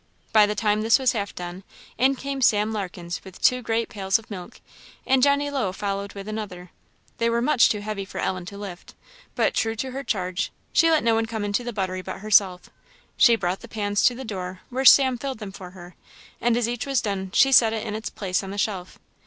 By the time this was half done, in came Sam Larkens with two great pails of milk, and Johnny Low followed with another. They were much too heavy for Ellen to lift, but true to her charge, she let no one come into the buttery but herself; she brought the pans to the door, where Sam filled them for her, and as each was done she set it in its place on the shelf.